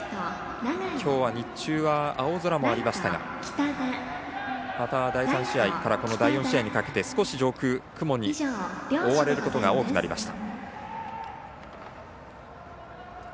今日は日中は青空もありましたが第３試合から第４試合にかけて少し上空が雲に覆われることが多くなりました。